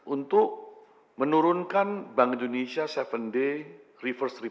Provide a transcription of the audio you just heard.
untuk menurunkan bank indonesia tujuh day reverse re